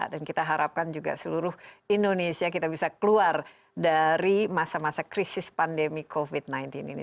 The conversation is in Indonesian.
kita harapkan juga seluruh indonesia kita bisa keluar dari masa masa krisis pandemi covid sembilan belas ini